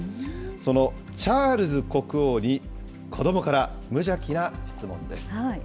そのチャールズ国王に、子どもから無邪気な質問です。